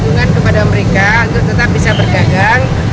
kehidupan kepada mereka untuk tetap bisa bergagang